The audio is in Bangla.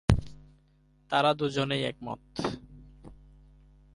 তারা দুজনেই একমত।